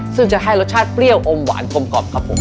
ซึ่งจะให้รสชาติเปรี้ยวอมหวานกลมกรอบครับผม